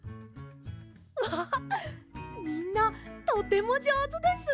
わあっみんなとてもじょうずです！